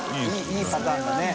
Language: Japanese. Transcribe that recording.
いいパターンだね。